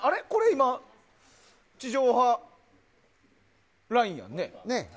今、地上波ラインやんね？